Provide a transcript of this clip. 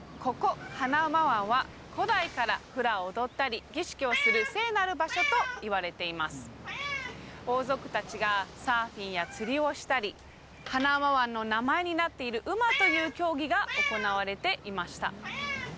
ここハナウマ湾は古代からフラを踊ったり儀式をする聖なる場所といわれています王族達がサーフィンや釣りをしたりハナウマ湾の名前になっているｕｍａという競技が行われていました